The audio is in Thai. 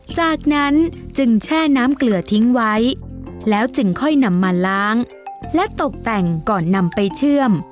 จากนั้นจึงแช่น้ำเกลือทิ้งไว้แล้วจึงค่อยนำมาล้างและตกแต่งก่อนนำไปเชื่อม